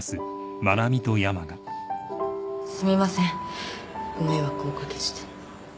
すみませんご迷惑をお掛けして。